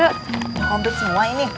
udah kompet semua ini